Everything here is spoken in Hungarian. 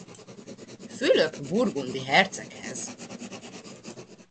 Fülöp burgundi herceghez.